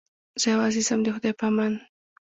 زه یوازې ځم د خدای په امان.